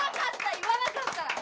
言わなかった。